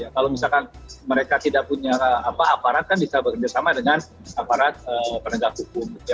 kalau misalkan mereka tidak punya apa apa aparat kan bisa bekerja sama dengan aparat penegak hukum